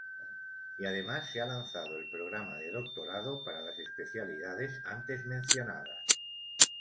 Y además se ha lanzado el Programa de Doctorado para las especialidades antes mencionadas.